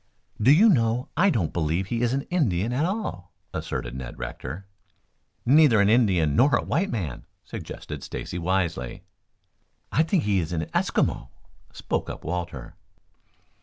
"Do you know, I don't believe he is an Indian at all," asserted Ned Rector. "Neither an Indian nor a white man," suggested Stacy wisely. "I think he is an Esquimo," spoke up Walter.